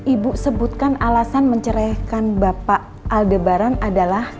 ibu sebutkan alasan mencerahkan bapak aldebaran adalah